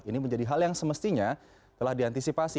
ini menjadi hal yang semestinya telah diantisipasi